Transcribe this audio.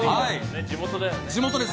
地元です。